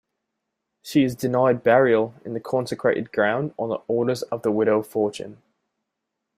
She is denied burial in consecrated ground on the orders of the Widow Fortune.